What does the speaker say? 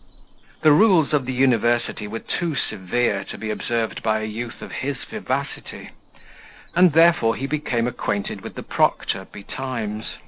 The rules of the university were too severe to be observed by a youth of his vivacity; and therefore he became acquainted with the proctor betimes.